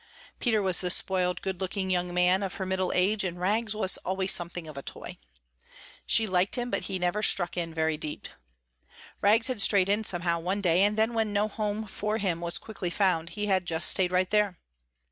Peter was the spoiled, good looking young man, of her middle age, and Rags was always something of a toy. She liked him but he never struck in very deep. Rags had strayed in somehow one day and then when no home for him was quickly found, he had just stayed right there.